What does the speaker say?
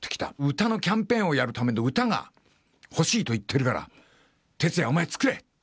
歌のキャンペーンをやるためで、歌が欲しいといってるから、鉄矢、お前作れって。